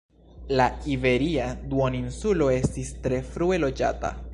La iberia duoninsulo estis tre frue loĝata.